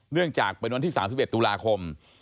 เนื่องจากเป็นวันที่๓๑ตุลาคม